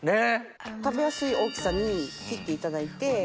食べやすい大きさに切っていただいて。